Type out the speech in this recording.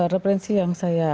referensi yang saya